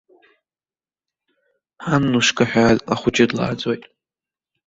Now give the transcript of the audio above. Аннушка ҳәа ахәыҷы длааӡоит.